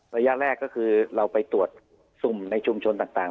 ระยะแรกก็คือเราไปตรวจสุ่มในชุมชนต่าง